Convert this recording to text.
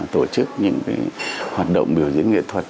tổ chức những hoạt động biểu diễn nghệ thuật